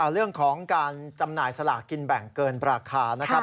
เรื่องของการจำหน่ายสลากกินแบ่งเกินราคานะครับ